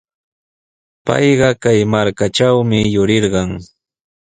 Payqa kay markatrawmi yurirqan.